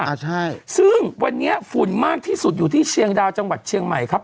อ่าใช่ซึ่งวันนี้ฝุ่นมากที่สุดอยู่ที่เชียงดาวจังหวัดเชียงใหม่ครับ